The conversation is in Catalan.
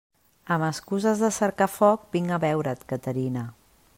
Amb excuses de cercar foc vinc a veure't, Caterina.